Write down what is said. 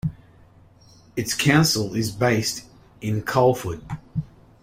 Its council is based in Coleford.